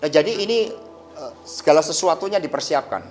nah jadi ini segala sesuatunya dipersiapkan